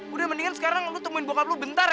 udah mendingan sekarang lu tungguin bokap lu bentar ya